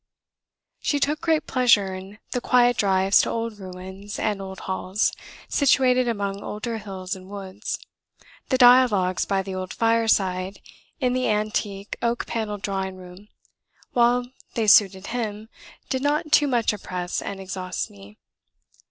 She took great pleasure in the "quiet drives to old ruins and old halls, situated among older hills and woods; the dialogues by the old fireside in the antique oak panneled drawing room, while they suited him, did not too much oppress and exhaust me.